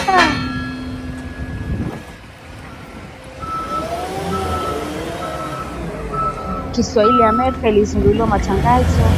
Na mwaka uliofuata, elfu mia tisa sitini na saba, Idhaa ya Kiswahili ya Sauti ya Amerika ilizindua matangazo ya moja kwa moja kutoka studio zake mjini Washington dc.